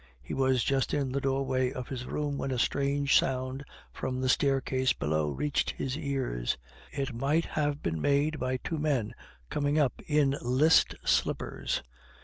He was just in the doorway of his room when a strange sound from the staircase below reached his ears; it might have been made by two men coming up in list slippers.